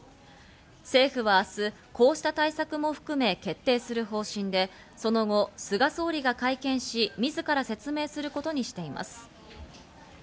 政府は明日、こうした対策も含め、決定する方針で、その後、菅総理が会見し、みずから説明することにしています。